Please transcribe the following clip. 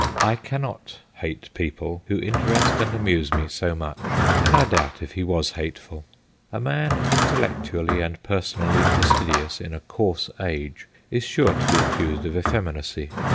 I cannot hate people who interest and amuse me so much, and I doubt if he was hateful. A man intellectually and personally fastidious in a coarse age is sure to be accused of effeminacy.